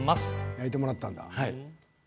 焼いてもらったんだ。